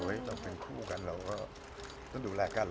มันก็ไม่ใช่ปลัญภัยกว่าใดคน